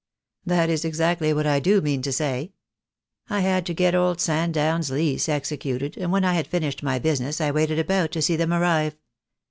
"That is exactly what I do mean to say. I had to get old Sandown's lease executed, and when I had finished my business I waited about to see them arrive.